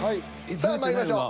さあまいりましょう。